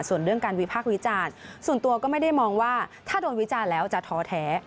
ส่วนเรื่องการวิพากษ์วิจารณ์ส่วนตัวก็ไม่ได้มองว่าถ้าโดนวิจารณ์แล้วจะท้อแท้